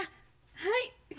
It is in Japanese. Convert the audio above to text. はい。